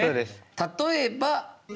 例えば。